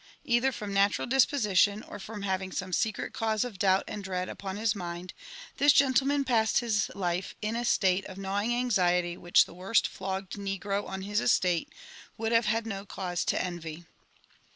Either from natural disposition, or from having some secret cause of doubt and dread upon his mind, this gentleman passed 4d LIFE AND ADVENTURES OF his life in a state of gnawing anxiety which the worst flogged negro on his estate would have had no cause to envy.